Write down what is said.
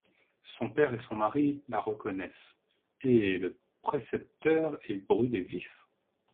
Son père et son mari la reconnaissent, et le précepteur est brûlé vif.